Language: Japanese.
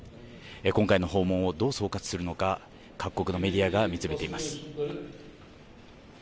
今回の訪問をどう総括するのか各国のメディアが見つめています。